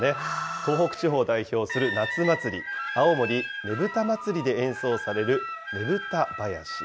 東北地方を代表する夏祭り、青森ねぶた祭で演奏するねぶた囃子。